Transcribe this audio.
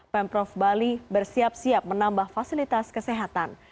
pemprov bali bersiap siap menambah fasilitas kesehatan